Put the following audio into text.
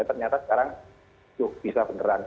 ternyata sekarang bisa beneran